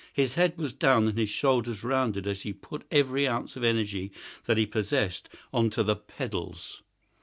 His head was down and his shoulders rounded as he put every ounce of energy that he possessed on to the pedals.